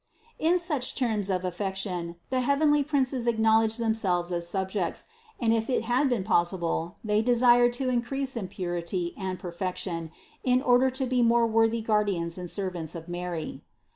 In such terms of affection the heavenly princes acknowledged themselves as subjects; and if it had been possible, they desired to increase in purity and perfection in order to be more worthy guardians and servants of Mary.